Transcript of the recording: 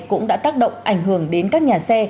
cũng đã tác động ảnh hưởng đến các nhà xe